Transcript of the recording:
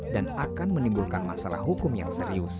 dan akan menimbulkan masalah hukum yang serius